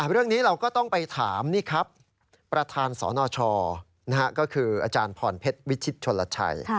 เรื่องนี้เราก็ต้องไปถามนี่ครับประธานสนชก็คืออาจารย์พรเพชรวิชิตชนลชัย